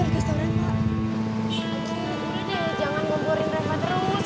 oke udah deh jangan ngobrolin reva terus